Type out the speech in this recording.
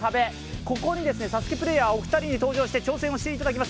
ここに「ＳＡＳＵＫＥ」プレーヤーお二人に登場していただきます。